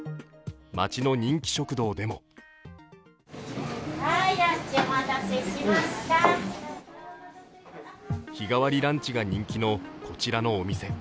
街の人気食堂でも日替わりランチが人気のこちらのお店。